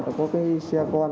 có cái xe con